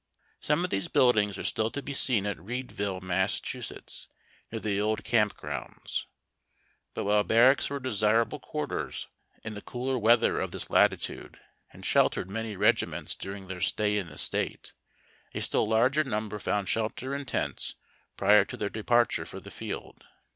Some of these buildings are still to be seen at Readville, Mass., near the old camp grounds. But while barracks were desirable quarters in SIBLEY TENTS. the cooler weather of this latitude, and sheltered many regi ments during their stay in the State, a still larger number found shelter in tents prior to their departure for the held.